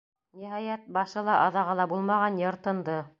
Ниһайәт, башы ла, аҙағы ла булмаған йыр тынды.